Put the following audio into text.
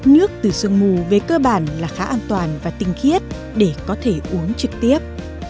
nước từ sương mù về cơ bản là khá an toàn và tinh khiết để có thể uống trực tiếp